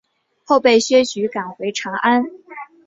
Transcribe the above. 后被薛举赶回长安。